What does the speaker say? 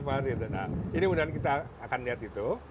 nah ini mudah mudahan kita akan lihat itu